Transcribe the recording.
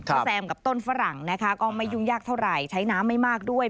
ก็แซมกับต้นฝรั่งนะคะก็ไม่ยุ่งยากเท่าไหร่ใช้น้ำไม่มากด้วย